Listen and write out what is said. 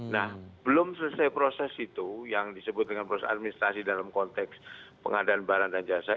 nah belum selesai proses itu yang disebut dengan proses administrasi dalam konteks pengadaan barang dan jasa